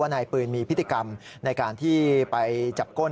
นายปืนมีพฤติกรรมในการที่ไปจับก้น